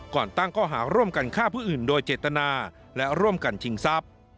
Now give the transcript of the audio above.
ตั้งข้อหาร่วมกันฆ่าผู้อื่นโดยเจตนาและร่วมกันชิงทรัพย์